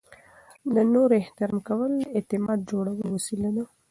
د نورو احترام کول د اعتماد جوړولو وسیله ده.